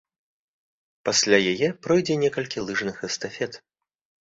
Пасля яе пройдзе некалькі лыжных эстафет.